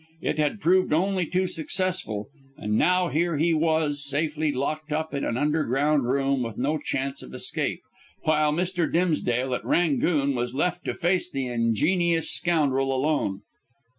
It had proved only too successful, and now here he was safely locked up in an underground room with no chance of escape, while Mr. Dimsdale, at "Rangoon," was left to face the ingenious scoundrel alone.